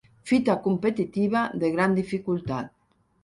Fita competitiva de gran dificultat.